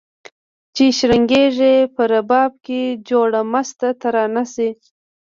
چي شرنګیږي په رباب کي جوړه مسته ترانه سي